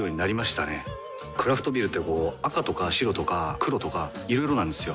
クラフトビールってこう赤とか白とか黒とかいろいろなんですよ。